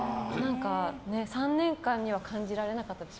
３年間には感じられなかったです。